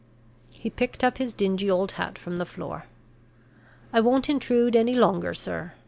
He picked up his dingy old hat from the floor. "I won't intrude any longer, sir.